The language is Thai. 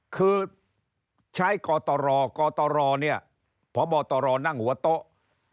คือใช้กตรกตรเนี่ยพบตรนั่งหัวโต๊ะ